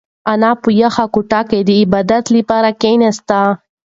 انا په یخه کوټه کې د عبادت لپاره کښېناسته.